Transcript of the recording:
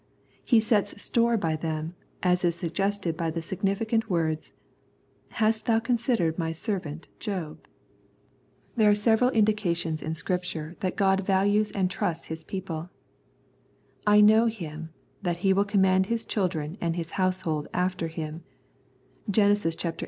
He sets store by them, as is suggested by the significant words, " Hast thou considered My servant Job ?" There are several indications in Scripture that 102 Wisdom and Revelation God values and trusts His people ;" I know him, that he will command his children and his household after him " (Gen. xviii.